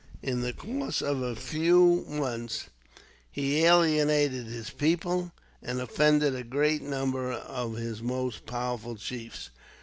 In the course of a few months, he alienated his people, and offended a great number of his most powerful chiefs.